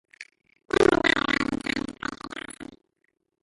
Young would not arrive in time to play for Dawson.